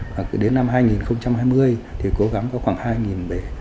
và đến năm hai nghìn hai mươi thì cố gắng có khoảng hai bể